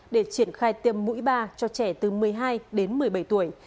để triển khai tiêm mũi ba cho trẻ từ một mươi hai đến một mươi bảy tuổi